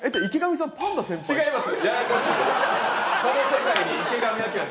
違います。